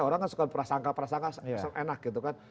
orang kan suka prasangka prasangka enak gitu kan